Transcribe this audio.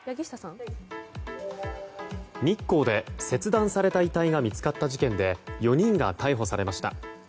日光で切断された遺体が見つかった事件で４人が逮捕されました。